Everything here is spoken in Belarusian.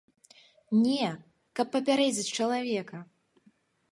Не, каб папярэдзіць чалавека!